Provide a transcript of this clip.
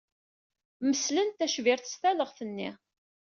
Meslen-d tacbirt s talaɣt-nni.